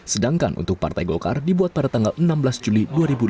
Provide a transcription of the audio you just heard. sedangkan untuk partai golkar dibuat pada tanggal enam belas juli dua ribu delapan belas